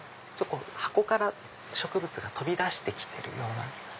箱から植物が飛び出してきてるような。